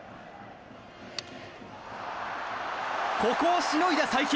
ここをしのいだ才木。